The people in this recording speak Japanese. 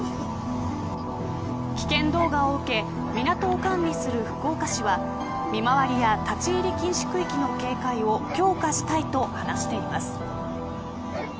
危険動画を受け港を管理する福岡市は見回りや立ち入り禁止区域の警戒を強化したいと話しています。